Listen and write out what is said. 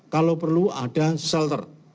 kalau perlu ada shelter